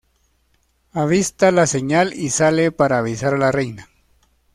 Avista la señal y sale para avisar a la reina.